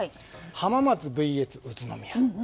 浜松ＶＳ宇都宮。